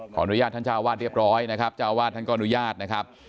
อนุญาตท่านเจ้าวาดเรียบร้อยนะครับเจ้าอาวาสท่านก็อนุญาตนะครับ